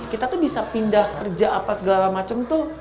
kita tuh bisa pindah kerja apa segala macem tuh